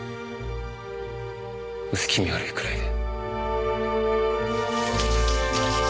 薄気味悪いくらいで。